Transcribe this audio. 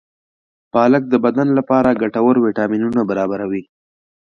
پالک د بدن لپاره ګټور ویټامینونه برابروي.